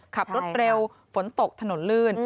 ขับรถเร็วฝนตกถนนลื่น